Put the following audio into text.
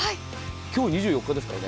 今日２４日ですからね。